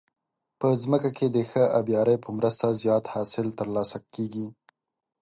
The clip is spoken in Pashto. په ځمکه کې د ښه آبيارو په مرسته زیات حاصل ترلاسه کیږي.